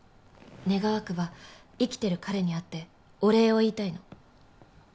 願わくば生きてる彼に会ってお礼を言いたいの。